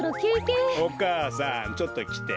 お母さんちょっときて。